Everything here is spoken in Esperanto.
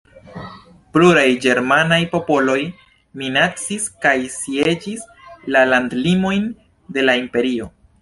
Pluraj ĝermanaj popoloj minacis kaj sieĝis la landlimojn de la Imperio.